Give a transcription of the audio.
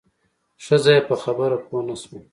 ښځه یې په خبره پوه نه شوه.